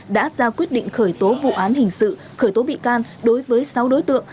đã ra quyết định khởi tố vụ án hình sự khởi tố bị can đối với sáu đối tượng